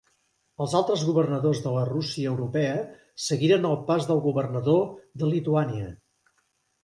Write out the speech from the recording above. Els altres governadors de la Rússia europea seguiren el pas del governador de Lituània.